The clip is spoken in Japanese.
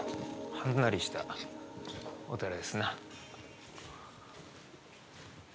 はんなりしたお寺ですな。